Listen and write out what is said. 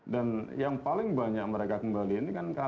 dan yang paling banyak mereka kembali ini kan karena